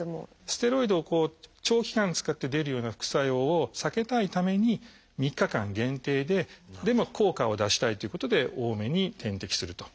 ステロイドを長期間使って出るような副作用を避けたいために３日間限定ででも効果を出したいということで多めに点滴すると。